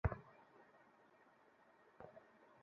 অধিকারই তো চাইতে এসেছি আজ।